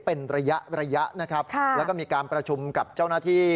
เป็นระยะระยะนะครับแล้วก็มีการประชุมกับเจ้าหน้าที่